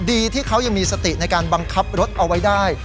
ดีที่เขายังมีสติในการบังคับรถเอาไว้ได้